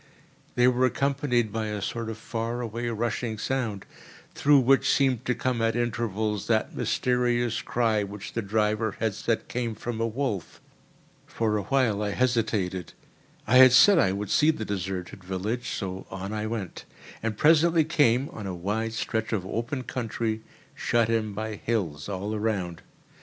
They were accompanied by a sort of far away rushing sound, through which seemed to come at intervals that mysterious cry which the driver had said came from a wolf. For a while I hesitated. I had said I would see the deserted village, so on I went, and presently came on a wide stretch of open country, shut in by hills all around.